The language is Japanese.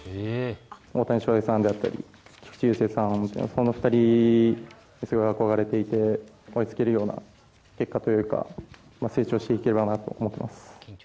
大谷翔平さんであったり、菊池雄星さん、この２人にすごい憧れていて、追いつけるような結果というか、成長していければなと思ってます。